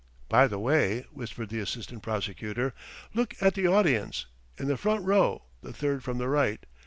"By the way," whispered the assistant prosecutor, "look at the audience, in the front row, the third from the right